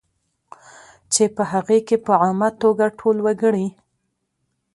چې په هغې کې په عامه توګه ټول وګړي